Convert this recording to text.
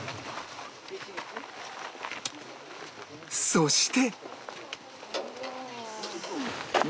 そして